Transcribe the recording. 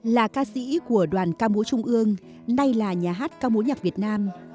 là ca sĩ của đoàn ca múa trung ương nay là nhà hát ca mối nhạc việt nam